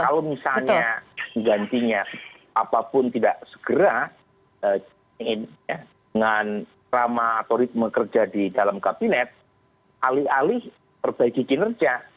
kalau misalnya gantinya apapun tidak segera dengan rama atau ritme kerja di dalam kabinet alih alih perbaiki kinerja